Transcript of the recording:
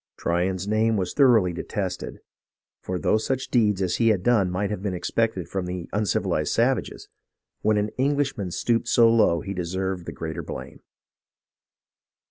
Tryon's name was thoroughly detested ; for though such deeds as he had done might have been expected from the uncivilized savages, when an Englishman stooped so low he deserved the greater blame.